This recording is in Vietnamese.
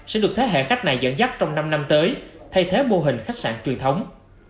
sẽ được thế hệ khách này dẫn dắt trong năm năm tới thay thế mô hình khách sạn truyền thống